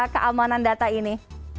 keamanan data ini